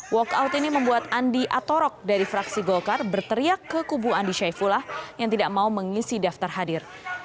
walkout ini membuat andi atorok dari fraksi golkar berteriak ke kubu andi syaifullah yang tidak mau mengisi daftar hadir